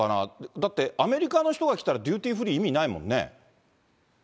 だって、アメリカの人が来たらデューティフリー意味ないもんね。